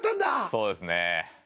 そうですねぇ。